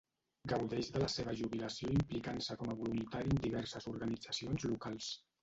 Gaudeix de la seva jubilació implicant-se com a voluntari en diverses organitzacions locals.